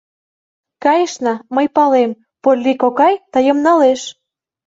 Кайышна, мый палем, Полли кокай тыйым налеш!